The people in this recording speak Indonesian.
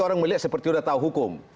orang melihat seperti sudah tahu hukum